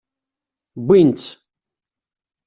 Wwin-tt.